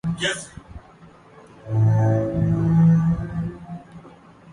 اس میں تو کوئی تبدیلی آنی چاہیے۔